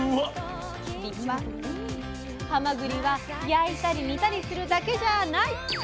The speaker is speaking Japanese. はまぐりは焼いたり煮たりするだけじゃない！